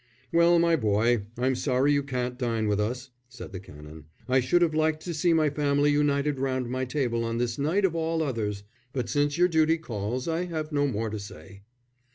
"Well, my boy, I'm sorry you can't dine with us," said the Canon. "I should have liked to see my family united round my table on this night of all others, but since your duty calls I have no more to say."